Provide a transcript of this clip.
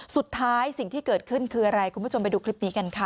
สิ่งที่เกิดขึ้นคืออะไรคุณผู้ชมไปดูคลิปนี้กันค่ะ